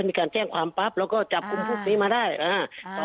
มีการแจ้งความปั๊บแล้วก็จับกลุ่มพวกนี้มาได้อ่า